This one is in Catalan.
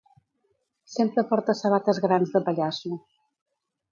Sempre porta sabates grans de pallasso.